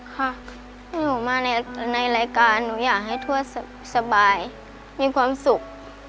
ค่ะหนูมาในรายการหนูอยากให้ทวดสบายมีความสุข